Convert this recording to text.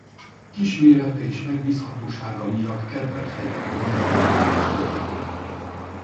Kis mérete és megbízhatósága miatt kedvelt fegyver volt a katonák körében.